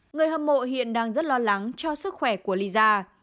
người hâm mộ hiện đang rất lo lắng cho sức khỏe của lyza